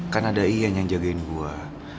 kan ada ian yang jagain gue